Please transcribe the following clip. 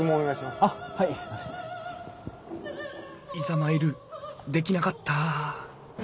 「いざ参る」できなかった。